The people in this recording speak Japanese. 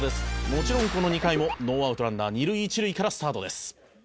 「もちろんこの２回もノーアウトランナー二塁一塁からスタートです」